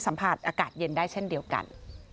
สัมผัสอากาศเย็นได้เช่นเดียวกัน